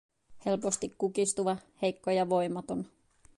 Helposti kukistuva, heikko ja voimaton.